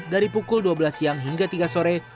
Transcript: dari pukul dua belas siang hingga tiga sore